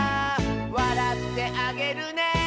「わらってあげるね」